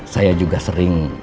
saya juga sering